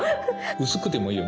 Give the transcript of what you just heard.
薄くてもいいよ。